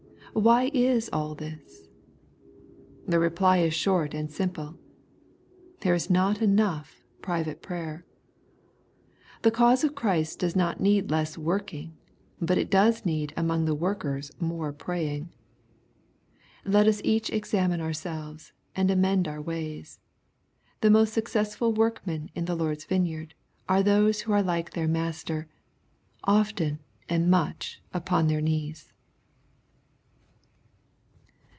Why is all this ? The reply is short and simple. There is not enoughjiiiYate prayer. The cause of Christ does nojuufifidjiess working, but it does need among the workers more praying. Let us each examine ourselves, and amend our ways. The mos t suc cessful workmen in the Lord's vineyard, are those who are like their Master, often and much upon their knees.